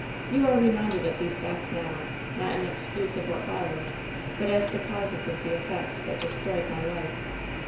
You are reminded of these facts now, not in excuse of what followed, but as the causes of the effects that destroyed my life.